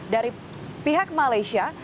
dari pihak malaysia